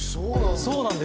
そうなんだ。